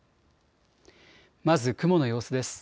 まず雲の様子です。